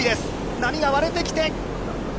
波が割れてきて。